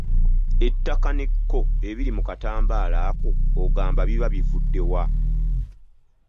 Ettaka n'ekko ebiri mu katambaala ako ogamba biba bivudde wa?